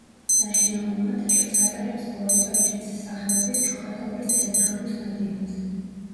საშინაო მატჩებს ატარებს ბორის პაიჭაძის სახელობის ჩოხატაურის ცენტრალურ სტადიონზე.